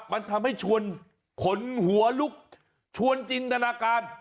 มันทำให้ชวนขนหัวลุกชวนจินตนาการ